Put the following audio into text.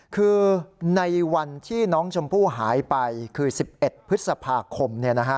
คือในวันที่น้องชมพู่หายไปคือ๑๑พฤษภาคม